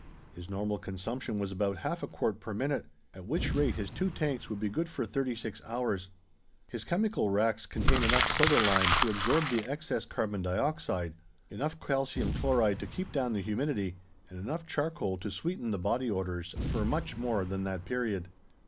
His normal consumption was about half a quart per minute, at which rate his two tanks would be good for thirty six hours. His chemical racks contained enough soda lime to absorb the excess carbon dioxide, enough calcium chloride to keep down the humidity and enough charcoal to sweeten the body odors for much more than that period.